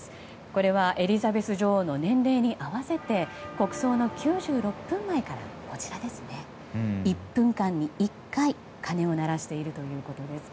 これはエリザベス女王の年齢に合わせて国葬の９６分前から１分間に１回、鐘を鳴らしているということです。